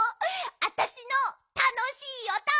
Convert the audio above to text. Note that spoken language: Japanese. あたしのたのしいおと！